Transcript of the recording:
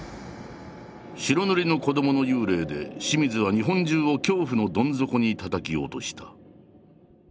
白塗りの子どもの幽霊で清水は日本中を恐怖のどん底にたたき落とした。